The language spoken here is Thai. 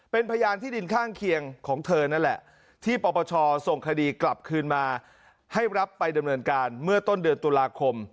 เป็นพยานที่ดินข้างเคียงของเธอนั่นแหละที่ปปชส่งคดีกลับคืนมาให้รับไปดำเนินการเมื่อต้นเดือนตุลาคม